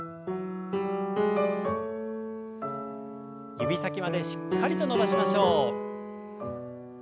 指先までしっかりと伸ばしましょう。